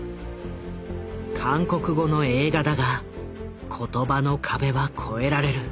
韓国語の映画だが言葉の壁は越えられる。